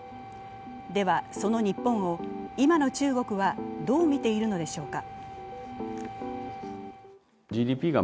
では、その日本を今の中国はどう見ているのでしょうか。